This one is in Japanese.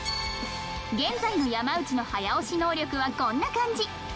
現在の山内の早押し能力はこんな感じ